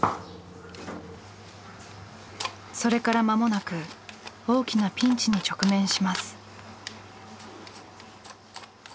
それから間もなく大きなピンチに直面します。